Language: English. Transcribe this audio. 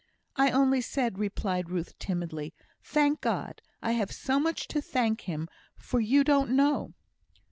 "I only said," replied Ruth, timidly, "thank God! I have so much to thank Him for, you don't know."